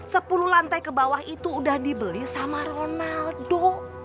sepuluh lantai ke bawah itu udah dibeli sama ronaldo